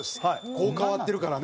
こう変わってるからね。